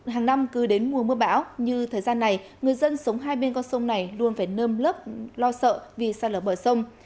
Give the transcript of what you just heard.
hàng năm cứ đến mùa mưa bão như thời gian này người dân sống hai bên con sông này luôn phải nơm lấp lo sợ vì sạt lở bờ sông